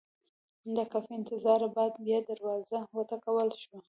د کافي انتظاره بعد بیا دروازه وټکول شوه.